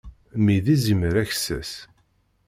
Mmi d izimer aksas.